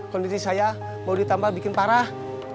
kondisi saya mau ditambah bikin parah